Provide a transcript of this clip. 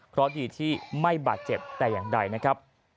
เพราะดีที่ไม่บาดเจ็บแต่อย่างใดนะครับ